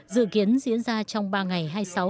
dự kiến diễn ra trong ba ngày